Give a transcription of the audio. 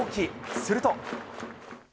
すると。